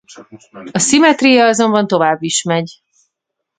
A szimmetria azonban tovább is megy.